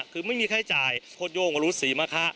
คือไม่มีใครจ่ายโพดโยงวรุษศรีมะคะ